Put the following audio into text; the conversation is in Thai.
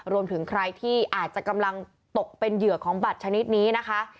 รวมถึงใครที่อาจจะกำลังตกเป็นเหยื่อของบัตรชนิดนี้นะคะ